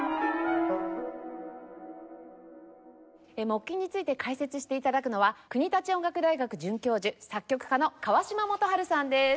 木琴について解説して頂くのは国立音楽大学准教授作曲家の川島素晴さんです。